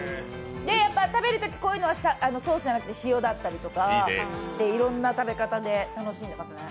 食べるとき、ソースじゃなくて塩だったりとかしていろんな食べ方で楽しんでますね。